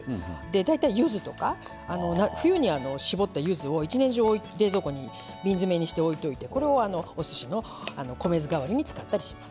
大体ゆずとか、冬に搾ったゆずを一年中、冷蔵庫に瓶詰めにして置いておいてこれをおすしの米酢代わりに使ったりします。